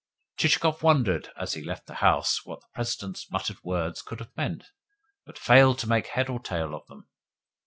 Chichikov wondered, as he left the house, what the President's muttered words could have meant, but failed to make head or tail of them.